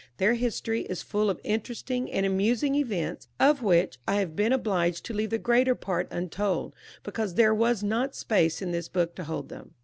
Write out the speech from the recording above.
Their history is full of interesting and amusing events, of which I have been obliged to leave the greater part untold, because there was not space in this book to hold them.